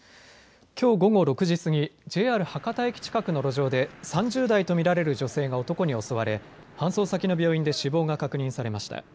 きょう午後６時過ぎＪＲ博多駅近くの路上で３０代と見られる女性が男に襲われ搬送先の病院で死亡が確認されました。